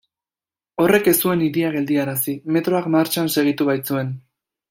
Horrek ez zuen hiria geldiarazi, metroak martxan segitu baitzuen.